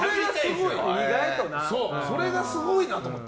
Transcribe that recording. それがすごいなと思って。